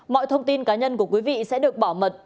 mọi thông tin cá nhân của quý vị sẽ được bảo mật